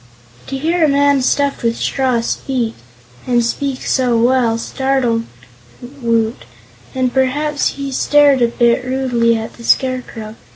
To hear a man stuffed with straw speak, and speak so well, quite startled Woot, and perhaps he stared a bit rudely at the Scarecrow.